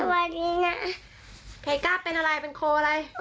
ไทยกล้าเป็นอะไรเป็นโคอะไร